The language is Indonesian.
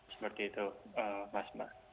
seperti itu mas mbak